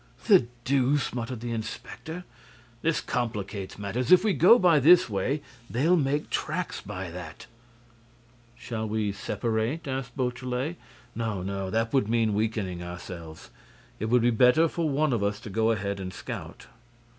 "The deuce!" muttered the inspector. "This complicates matters. If we go by this way, they'll make tracks by that." "Shall we separate?" asked Beautrelet. "No, no—that would mean weakening ourselves. It would be better for one of us to go ahead and scout."